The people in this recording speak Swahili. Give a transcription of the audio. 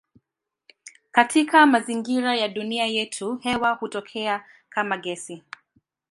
Katika mazingira ya dunia yetu hewa hutokea kama gesi.